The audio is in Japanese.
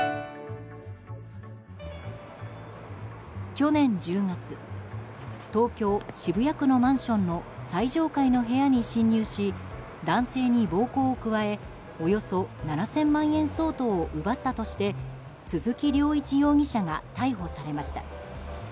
去年１０月東京・渋谷区のマンションの最上階の部屋に侵入し男性に暴行を加えおよそ７０００万円相当を奪ったとして鈴木涼一容疑者が逮捕されました。